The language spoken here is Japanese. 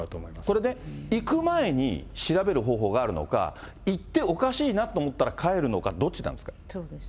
これね、行く前に調べる方法があるのか、行っておかしいなと思ったら帰るのか、どっちなんですか？